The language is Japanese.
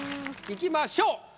いきましょう。